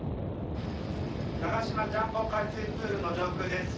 ナガシマジャンボ海水プールの上空です。